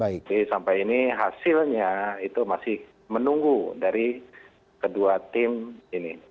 jadi sampai ini hasilnya itu masih menunggu dari kedua tim ini